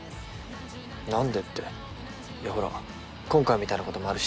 なんでっていやほら今回みたいなこともある